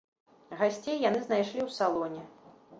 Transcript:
Гасцей яны знайшлі ў салоне.